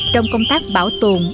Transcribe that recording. trong công tác bảo tồn